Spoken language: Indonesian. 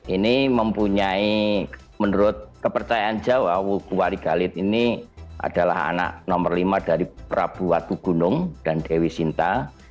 ini mempunyai menurut kepercayaan jawa wuku warigalit ini adalah anak nomor lima dari prabu watu gunung dan dewi sinta